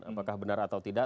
apakah benar atau tidak